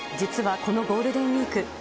実はこのゴールデンウィーク。